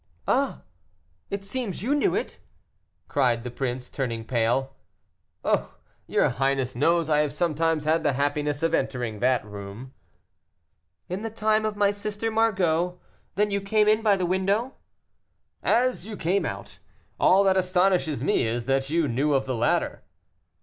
"Ah! it seems you knew it," cried the prince, turning pale. "Oh! your highness knows I have sometimes had the happiness of entering that room." "In the time of my sister Margot. Then you came in by the window?" "As you came out. All that astonishes me is, that you knew of the ladder."